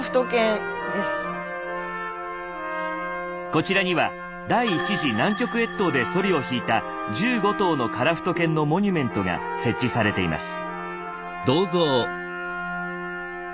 こちらには第１次南極越冬でソリを引いた１５頭のカラフト犬のモニュメントが設置されています。